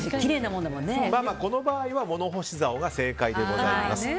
この場合は物干しざおが正解でございます。